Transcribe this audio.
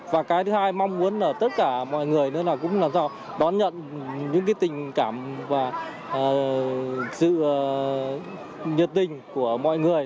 và cái thứ hai mong muốn là tất cả mọi người cũng làm sao đón nhận những tình cảm và sự nhiệt tình của mọi người